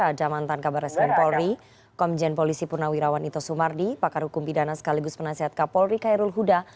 ada mantan kabar reskrim polri komjen polisi purnawirawan ito sumardi pakar hukum pidana sekaligus penasihat kapolri khairul huda